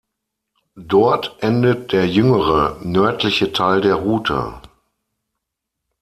Dort endet der jüngere, nördliche Teil der Route.